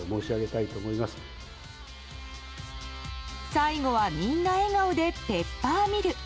最後はみんな笑顔でペッパーミル。